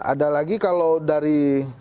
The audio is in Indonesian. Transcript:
ada lagi kalau dari